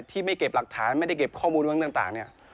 ที่ไม่เก็บหลักฐานไม่ได้เก็บข้อมูลไว้ต่างเนี่ย